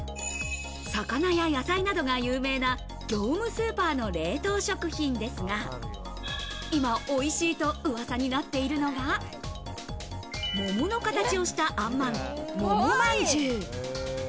魚や野菜などが有名な業務スーパーの冷凍食品ですが、今おいしいと、うわさになっているのが、桃の形をしたあんまん、桃まんじゅう。